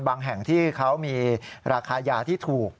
แห่งที่เขามีราคายาที่ถูก